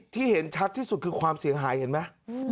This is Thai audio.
ที่เห็นชัดที่สุดคือความเสียหายเห็นไหม